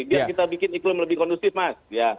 biar kita bikin iklim lebih kondusif mas